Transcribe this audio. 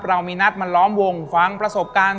เรามีนัดมาล้อมวงฟังประสบการณ์